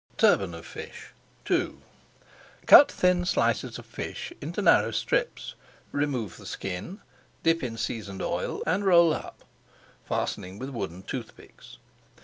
TURBAN OF FISH II Cut thin slices of fish into narrow strips, remove the skin, dip in seasoned oil, and roll up, fastening with wooden toothpicks.